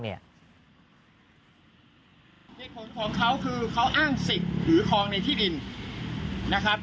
เจ้าของเขาคือเขาอ้างสิทธิ์ถือคลองในที่ดิน